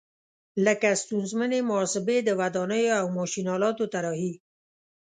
لکه ستونزمنې محاسبې، د ودانیو او ماشین آلاتو طراحي.